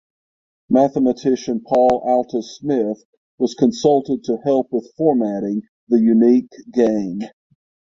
Mathematician Paul Althaus Smith was consulted to help with formatting the unique game.